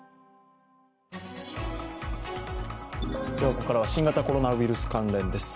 ここからは新型コロナウイルス関連です。